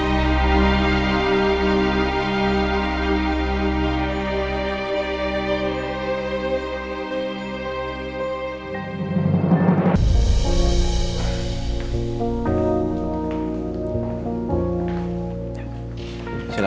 apa sih lah cobalah